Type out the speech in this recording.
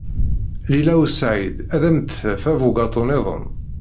Lila u Saɛid ad am-d-taf abugaṭu niḍen.